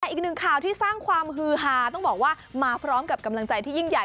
อีกหนึ่งข่าวที่สร้างความฮือฮาต้องบอกว่ามาพร้อมกับกำลังใจที่ยิ่งใหญ่